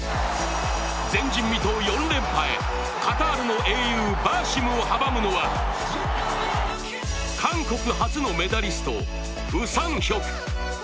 前人未到４連覇へ、カタールの英雄バーシムを阻むのは韓国初のメダリスト、ウ・サンヒョク。